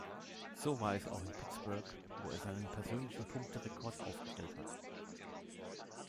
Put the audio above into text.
So war es auch in Pittsburgh, wo er seinen persönlichen Punkterekord aufgestellt hat.